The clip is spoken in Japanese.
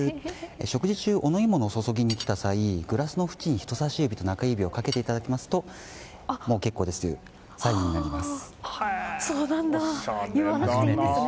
食事中、お飲み物を注ぎに来た際グラスの縁に人さし指と中指をかけていただきますともう結構ですというサインになります。